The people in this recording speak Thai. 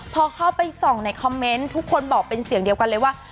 พอเข้าไปส่องในคอมเมนต์ทุกคนบอกเป็นเสียงเดียวกันเลยว่า